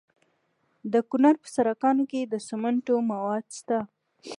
د کونړ په سرکاڼو کې د سمنټو مواد شته.